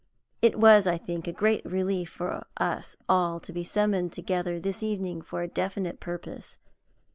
It was, I think, a great relief for us all to be summoned together this evening for a definite purpose.